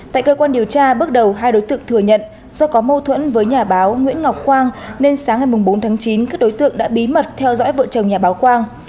tại cơ quan điều tra bước đầu hai đối tượng thừa nhận do có mâu thuẫn với nhà báo nguyễn ngọc quang nên sáng ngày bốn tháng chín các đối tượng đã bí mật theo dõi vợ chồng nhà báo quang